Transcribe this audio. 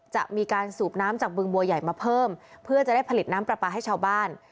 จะมีการสูบน้ำจากบึงบัวใหญ่มาเพิ่มเพื่อจะได้ผลิตน้ำปลาปลาให้ชาวบ้าน